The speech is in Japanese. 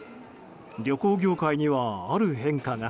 旅行業界には、ある変化が。